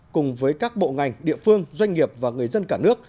cùng với các bộ ngành địa phương doanh nghiệp và người dân cả nước